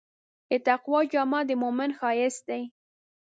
د تقوی جامه د مؤمن ښایست دی.